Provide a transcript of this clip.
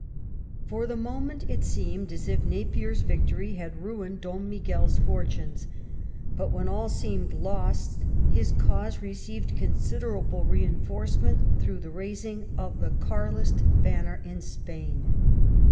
For the moment it seemed as if Napier's victory had ruined Dom Miguel's fortunes, but when all seemed lost his cause received considerable reinforcement through the raising of the Carlist banner in Spain.